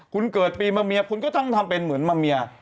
คุณเกิดปีมาเมียคุณก็ต้องทำเป็นเหมือนมาเมีย